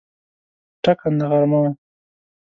ټاکنده غرمه وه.